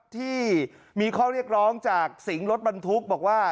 ที่มีข้อเรียกร้องจากสิงห์รถบรรทุกบอกว่า